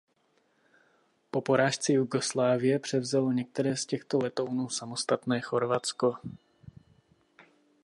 Po porážce Jugoslávie převzalo některé z těchto letounů samostatné Chorvatsko.